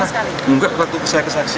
enggak pak kebetulan dari dapuan itu